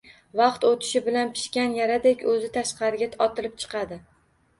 Vaqt o‘tishi bilan pishgan yaradek o‘zi tashqariga otilib chiqadi.